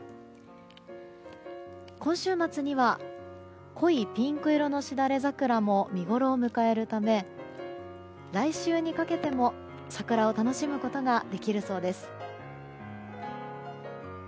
今週末には濃いピンク色のしだれ桜も見ごろを迎えるため来週にかけても桜を楽しむことができるそうです。